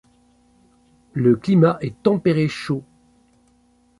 Le climat est tempéré-chaud.